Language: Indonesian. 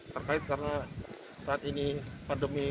terkait karena saat ini pandemi